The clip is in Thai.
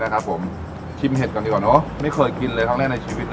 แนวผมชิ้นเห็นกันดีกว่าหนูไม่เคยกินเลยชั้นในชีวิตเลยอ่ะ